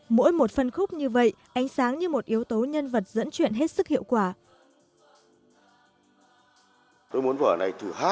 mỗi một phân khúc như vậy ánh sáng như một yếu tố nhân vật dẫn chuyện hết sức hiệu quả